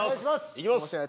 いきます！